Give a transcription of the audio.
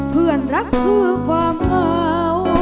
เพื่อนรักเพื่อความเหงา